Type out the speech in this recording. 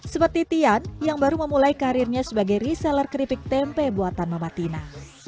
seperti tian yang baru memulai karirnya sebagai reseller keripik tempe buatan mamatina